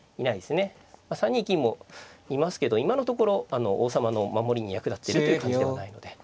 ３二金もいますけど今のところ王様の守りに役立ってるという感じではないので。